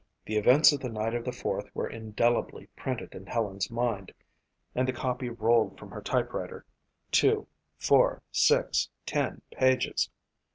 The events of the night of the Fourth were indelibly printed in Helen's mind and the copy rolled from her typewriter, two, four, six, ten pages.